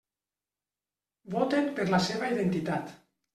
Voten per la seva identitat.